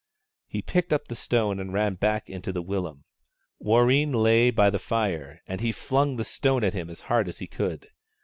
He picked up the stone and ran back into the willum. Warreen lay by the fire and he flung the stone at him as hard as he could.